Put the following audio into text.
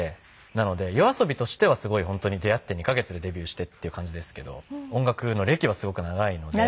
なのでＹＯＡＳＯＢＩとしてはすごい本当に出会って２カ月でデビューしてっていう感じですけど音楽の歴はすごく長いので。